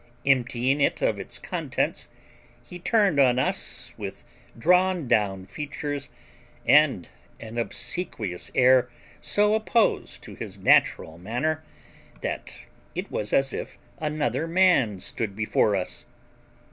Emptying it of its contents, he turned on us with drawn down features and an obsequious air so opposed to his natural manner that it was as if another man stood before us.